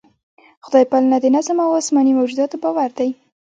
خدای پالنه د نظم او اسماني موجوداتو باور دی.